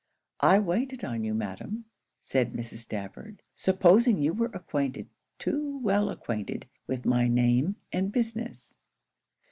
'I waited on you, Madam,' said Mrs. Stafford, 'supposing you were acquainted too well acquainted with my name and business.'